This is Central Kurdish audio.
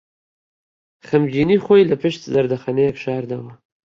خەمگینیی خۆی لەپشت زەردەخەنەیەک شاردەوە.